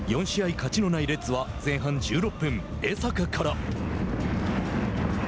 ４試合勝ちのないレッズは前半１６分、江坂から。